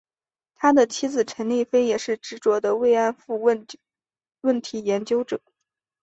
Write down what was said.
他的妻子陈丽菲也是执着的慰安妇问题研究者。